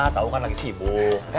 tau kan lagi sibuk